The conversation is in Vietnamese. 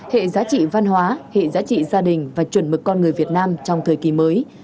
hệ giá trị văn hóa hệ giá trị gia đình và chuẩn mực con người việt nam trong thời kỳ mới